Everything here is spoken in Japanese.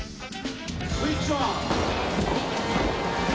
スイッチオン！